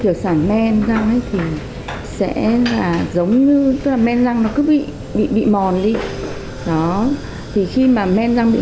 thiểu sản men răng ấy thì sẽ là giống như là men răng nó cứ bị bị mòn đi đó thì khi mà men răng bị